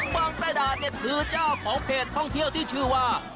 วังใต้ดาดเนี่ยคือเจ้าของเพจท่องเที่ยวที่ชื่อว่า